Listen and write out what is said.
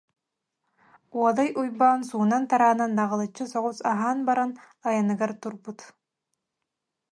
Уодай Уйбаан суунан-тараанан, наҕылыччы соҕус аһаан баран, айаныгар турбут